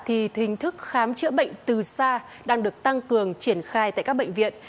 thì hình thức khám chữa bệnh từ xa đang được tăng cường triển khai tại các bệnh viện